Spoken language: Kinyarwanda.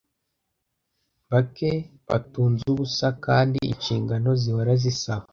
Bake batunze ubusa, kandi ingano zihora zisaba.